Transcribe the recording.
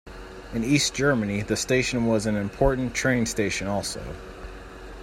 In East Germany the station was an important train station also.